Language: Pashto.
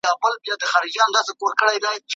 دنيا دوې ورځي ده.